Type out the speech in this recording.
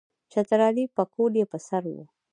چترالی پکول یې پر سر وو.